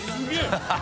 ハハハ